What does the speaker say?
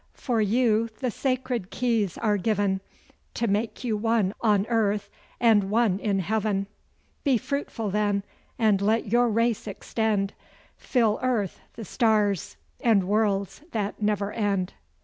for you the sacred Keys are given, To make you one on earth, and one in heaven. Be fruitful then, and let your race extend; Fill Earth, the stars, and worlds that never end.